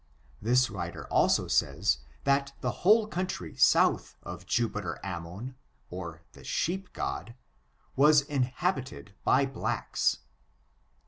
This writer also says, that the whole country south of Jupiter Ammon (or the sheep god) was inhabited by blacks.